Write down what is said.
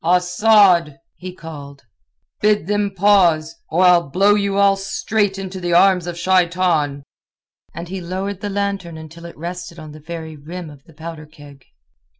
"Asad!" he called. "Bid them pause, or I'll blow you all straight into the arms of Shaitan." And he lowered the lantern until it rested on the very rim of the powder keg.